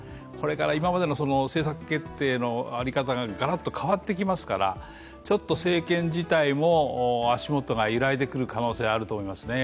今までの政策決定の在り方がガラッと変わってきますからちょっと政権自体も足元が揺らいでくる可能性はあると思います。